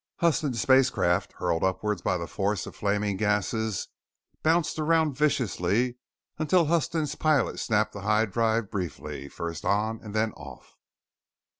Huston's spacecraft, hurled upwards by the force of flaming gases, bounced around viciously until Huston's pilot snapped the high drive briefly, first on and then off.